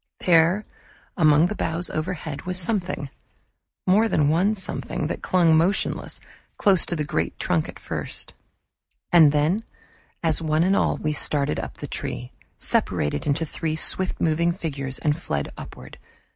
There among the boughs overhead was something more than one something that clung motionless, close to the great trunk at first, and then, as one and all we started up the tree, separated into three swift moving figures and fled upward.